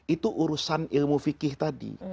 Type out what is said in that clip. itu urusan ilmu fikih tadi